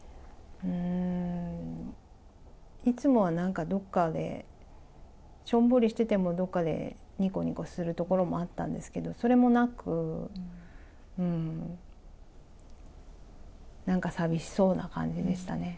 うーん、いつもはなんかどっかで、しょんぼりしてても、どっかでにこにこするところもあったんですけど、それもなく、なんか寂しそうな感じでしたね。